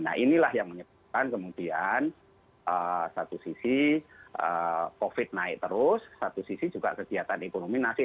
nah inilah yang menyebabkan kemudian satu sisi covid naik terus satu sisi juga kegiatan ekonomi masih